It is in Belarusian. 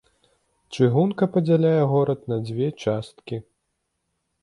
Чыгунка падзяляе горад на дзве часткі.